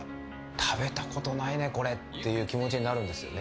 食べたことないね、これっていう気持ちになるんですよね。